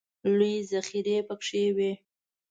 لویې ذخیرې پکې وې.